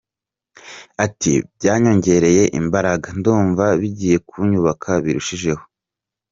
Ati “Byanyongereye imbagara, ndumva bigiye kunyubaka birushijeho.